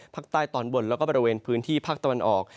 ตอนบนแล้วก็บริเวณพื้นที่ภาคตะวันออก